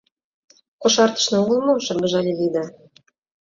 — Кошартышна огыл мо? — шыргыжале Лида.